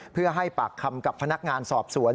เพื่อให้ปากคำกับพนักงานสอบสวน